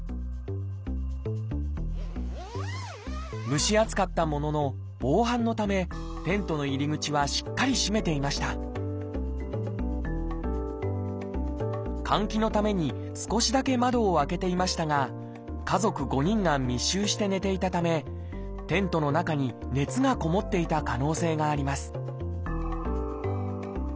蒸し暑かったものの防犯のためテントの入り口はしっかり閉めていました換気のために少しだけ窓を開けていましたが家族５人が密集して寝ていたためテントの中に熱がこもっていた可能性があります